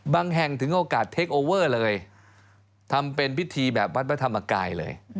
แห่งถึงโอกาสเทคโอเวอร์เลยทำเป็นพิธีแบบวัดพระธรรมกายเลย